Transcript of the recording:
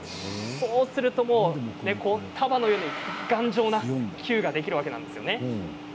そうすると束のように頑丈なキューができるわけです。